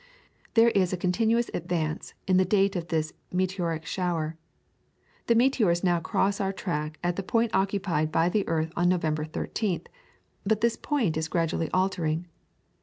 There is a continuous advance in the date of this meteoric shower. The meteors now cross our track at the point occupied by the earth on November 13th, but this point is gradually altering.